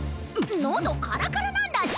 のどカラカラなんだって！